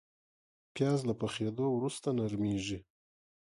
پیاز له پخېدو وروسته نرمېږي